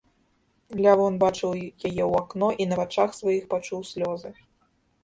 Лявон бачыў яе ў акно і на вачах сваіх пачуў слёзы.